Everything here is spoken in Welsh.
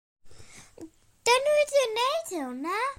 Weles i hi'n croesi'r hewl.